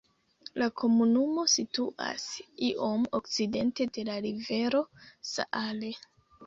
La komunumo situas iom okcidente de la rivero Saale.